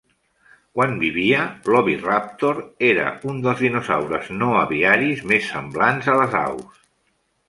Quan vivia, l'"oviraptor" era un dels dinosaures no aviaris més semblants a les aus.